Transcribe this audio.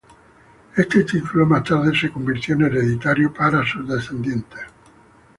Este título más tarde se convirtió en hereditario para sus descendientes.